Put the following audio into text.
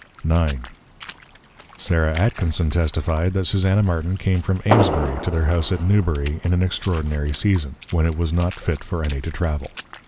IX. Sarah Atkinson testify'd, That Susanna Martin came from Amesbury to their House at Newbury, in an extraordinary Season, when it was not fit for any to Travel.